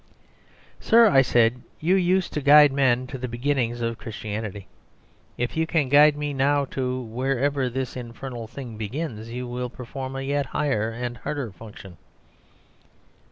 "Sir," I said, "you used to guide men to the beginnings of Christianity. If you can guide me now to wherever this infernal thing begins you will perform a yet higher and harder function."